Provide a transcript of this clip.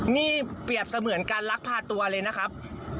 นี่เปรียบเสมือนการลักพาตัวเลยนะครับ